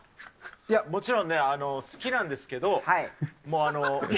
いや、もちろんね、好きなんですけど、もうあの。